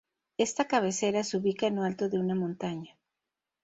Esta cabecera se ubica en lo alto de una montaña.